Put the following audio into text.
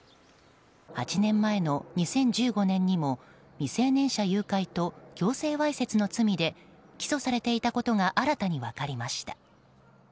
８年前の２０１５年にも未成年者誘拐と強制わいせつの罪で起訴されていたことが新たに分かりました。